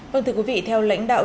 vâng thưa quý vị theo lãnh đạo